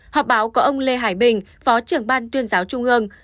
họp báo có ông lê hải bình phó trưởng ban tuyên giáo trung ương